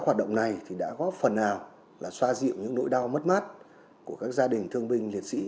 các hoạt động này đã có phần nào xoa dịu những nỗi đau mất mát của các gia đình thương binh liệt sĩ